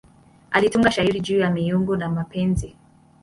Alitunga shairi juu ya miungu na mapenzi.